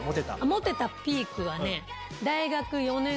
モテたピークはね。